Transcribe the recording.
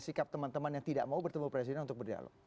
sikap teman teman yang tidak mau bertemu presiden untuk berdialog